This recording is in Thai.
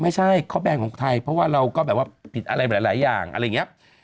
ไม่ใช่เขาแบรนดของไทยเพราะว่าเราก็แบบว่าผิดอะไรหลายอย่างอะไรอย่างนี้